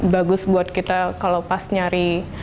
bagus buat kita kalau pas nyari